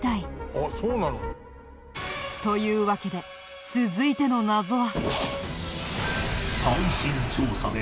「あっそうなの？」というわけで続いての謎は。